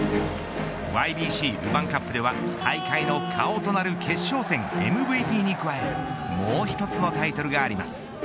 ＹＢＣルヴァンカップでは大会の顔となる決勝戦ＭＶＰに加えもう一つのタイトルがあります。